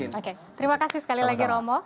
oke terima kasih sekali lagi romo